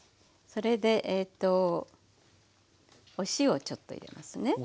それでお塩をちょっと入れますね。